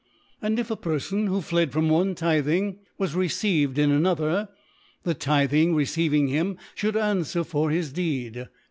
And if a Perfon, who fled from one Tithing, was received in another, the Tithing receiving him Ihould anfwer for his Deed